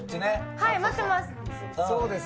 はい、待ってます。